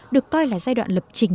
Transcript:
được coi là giai đoạn lập trình